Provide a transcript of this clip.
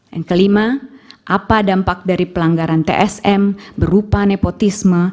dan kelima apa dampak dari pelanggaran tsm berupa nepotisme